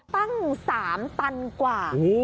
ตั้ง๓ตันกว่า